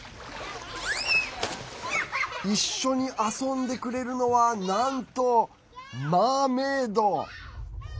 一緒に遊んでくれるのはなんとマーメード！